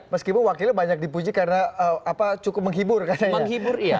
meskipun wakilnya banyak dipuji karena cukup menghibur